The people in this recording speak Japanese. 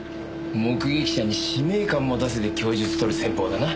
目撃者に使命感持たせて供述とる戦法だな。